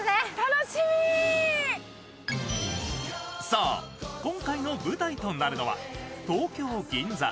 そう、今回の舞台となるのは東京・銀座。